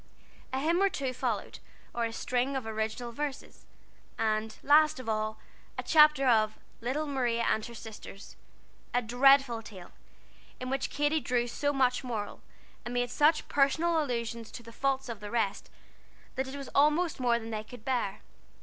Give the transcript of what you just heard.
A hymn or two followed, or a string of original verses, and, last of all, a chapter of "Little Maria and Her Sisters," a dreadful tale, in which Katy drew so much moral, and made such personal allusions to the faults of the rest, that it was almost more than they could bear.